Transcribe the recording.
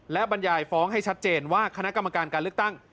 และบรรยายฟ้องให้ชัดเจนว่าคณะกรรมการการเลือกตั้ง